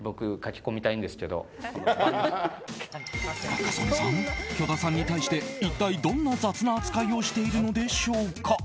仲宗根さん、許田さんに対して一体どんな雑な扱いをしているのでしょうか。